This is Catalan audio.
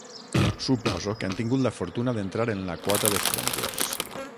Suposo que han tingut la fortuna d'entrar en la quota d'estrangers.